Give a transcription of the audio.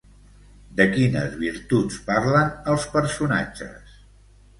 De quines virtuts parlen, els personatges?